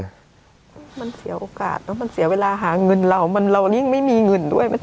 มันเสียโอกาสเนอะมันเสียเวลาหาเงินเรามันเรายิ่งไม่มีเงินด้วย